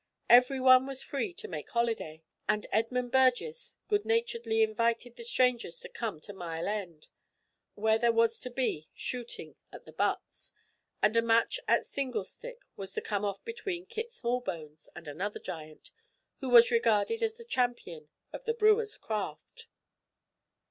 Every one was free to make holiday, and Edmund Burgess good naturedly invited the strangers to come to Mile End, where there was to be shooting at the butts, and a match at singlestick was to come off between Kit Smallbones and another giant, who was regarded as the champion of the brewer's craft.